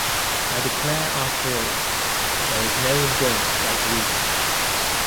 I declare after all there is no enjoyment like reading!